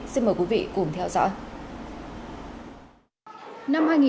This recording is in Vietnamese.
xin mời quý vị cùng theo dõi